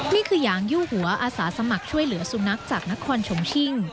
นี่คือยางยู่หัวอาสาสมัครช่วยเหลือสุนัขจากนครชมชิง